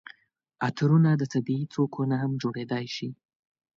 عطرونه د طبیعي توکو نه هم جوړیدای شي.